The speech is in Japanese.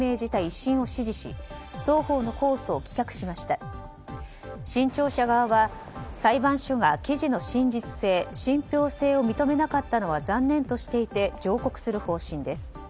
新潮社側は裁判所が記事の真実性、信憑性を認めなかったのは残念としていて上告する方針です。